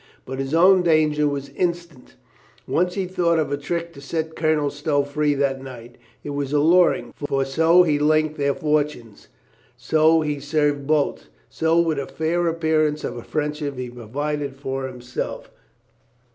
But his own danger was instant. Once he thought of a trick to set Colonel Stow free that night. It was alluring, for so he linked their fortunes, so he served both, so with a fair appearance of friendship he provided for himself.